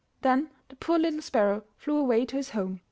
Then the poor little sparrow flew away . to his home.